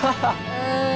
うん。